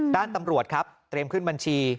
ตำรวจครับเตรียมขึ้นบัญชี